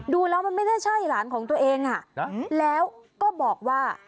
ดูแล้วมันไม่น่าใช่หลานของตัวเองแล้วก็บอกว่า